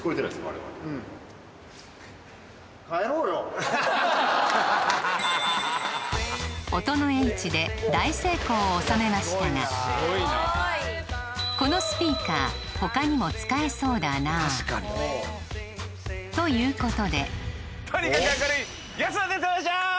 あれはもう音の叡智で大成功を収めましたがこのスピーカー他にも使えそうだなということでとにかく明るい安村です